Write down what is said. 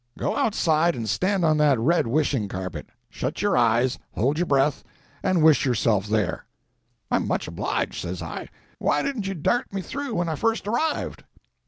Go outside and stand on that red wishing carpet; shut your eyes, hold your breath, and wish yourself there." "I'm much obliged," says I; "why didn't you dart me through when I first arrived?"